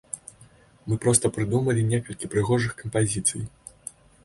Мы проста прыдумалі некалькі прыгожых кампазіцый.